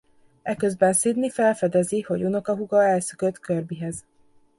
Eközben Sidney felfedezi hogy unokahúga elszökött Kirby-hez.